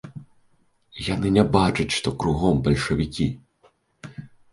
Яны не бачаць, што кругом бальшавікі.